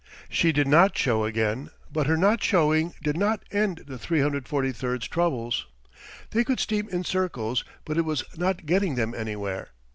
She did not show again, but her not showing did not end the 343's troubles. They could steam in circles, but it was not getting them anywhere.